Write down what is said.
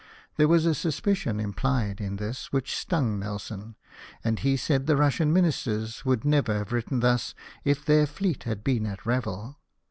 There was a suspicion im plied in this which stung Nelson, and he said the Russian Ministers would never have written thus if their fleet had been at Revel.